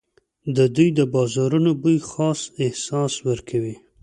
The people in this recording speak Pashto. د دوی د بازارونو بوی خاص احساس ورکوي.